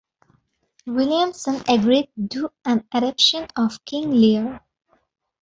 Williamson agreed do an adaptation of "King Lear".